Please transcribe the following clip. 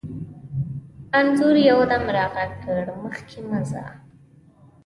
انځور یو دم را غږ کړ: مخکې مه ځه.